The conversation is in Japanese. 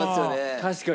確かに。